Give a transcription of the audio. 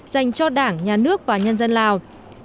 dành cho đảng nhà nước và nhân dân lào